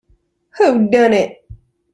Who Done It?